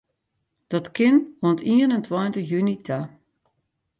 Dat kin oant ien en tweintich juny ta.